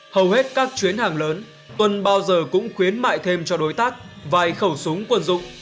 hầu hết các chuyến hàng lớn tuân bao giờ cũng khuyến mại thêm cho đối tác vài khẩu súng quân dụng